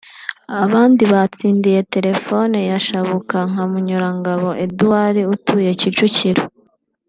Abandi batsindiye Telefone ya Shabuka nka Munyurangabo Edward utuye Kicukiro